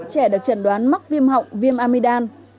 trẻ được chẩn đoán mắc viêm họng viêm amidam